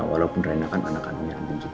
walaupun raina kan anak anaknya andin juga